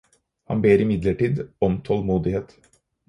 Han ber imidlertid om tålmodighet.